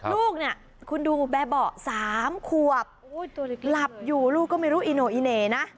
ลูกเนี่ยคุณดูแบบเบาะ๓ขวบหลับอยู่ลูกก็ไม่รู้อีโน่อีเหน่นะ